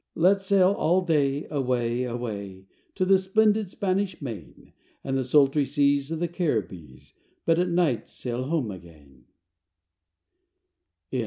Let's sail all day, away, away To the splendid Spanish Main And the sultry seas of the Caribbees But at night sail home again!